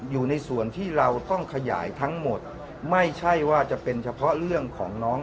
อยู่ในส่วนที่เราต้องขยายทั้งหมดไม่ใช่ว่าจะเป็นเฉพาะเรื่องของน้อง